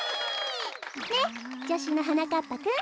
ねっじょしゅのはなかっぱくん。